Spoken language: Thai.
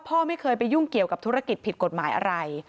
พ่อไม่เคยไปยุ่งเกี่ยวกับธุรกิจผิดกฎหมายอะไร